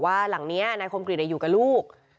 เขาก็บอกว่าหลังเนี้ยนายคมกลิ่นได้อยู่กับลูก